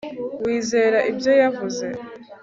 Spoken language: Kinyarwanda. Wizera ibyo yavuze